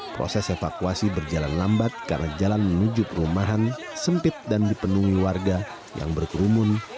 proses evakuasi berjalan lambat karena jalan menuju perumahan sempit dan dipenuhi warga yang berkerumun